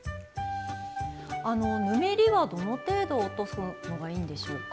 あのぬめりはどの程度落とすのがいいんでしょうか？